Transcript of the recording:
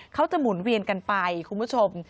เขาจะหมุนเวียนกันไปคุณผู้ชม